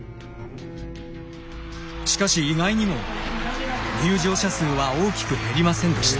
しかし意外にも入場者数は大きく減りませんでした。